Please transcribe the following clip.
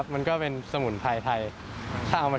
แต่ว่าถ้ามุมมองในทางการรักษาก็ดีค่ะ